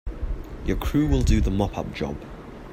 Your crew will do the mop up job.